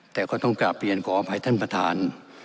แต่ก็ต้องกลับเรียนขออภัยท่านประธาน